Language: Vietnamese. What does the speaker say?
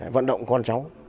vận động con cháu